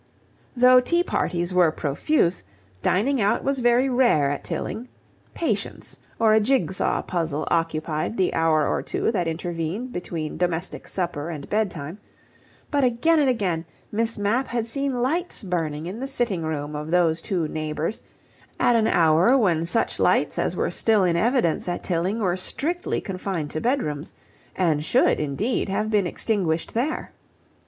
Though tea parties were profuse, dining out was very rare at Tilling; Patience or a jig saw puzzle occupied the hour or two that intervened between domestic supper and bedtime; but again and again, Miss Mapp had seen lights burning in the sitting room of those two neighbours at an hour when such lights as were still in evidence at Tilling were strictly confined to bedrooms, and should, indeed, have been extinguished there.